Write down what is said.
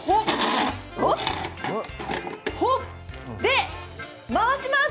で、回します！